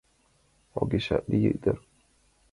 Огешат лий дыр...